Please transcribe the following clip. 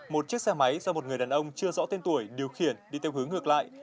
một chiếc xe máy do một người đàn ông chưa rõ tên tuổi điều khiển đi theo hướng ngược lại